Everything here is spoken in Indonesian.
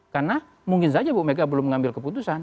karena mungkin saja bu mega belum mengambil keputusan